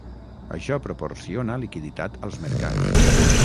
Això proporciona liquiditat als mercats.